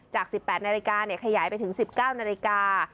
จาก๑๘นาฬิกาขยายไปถึง๑๙นาฬิกา